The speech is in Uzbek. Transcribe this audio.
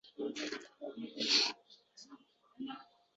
Tishlar tushar, yakkam-dukkam soch ham siyrak